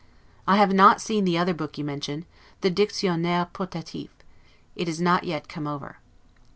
I have not seen the other book you mention, the 'Dictionnaire Portatif'. It is not yet come over.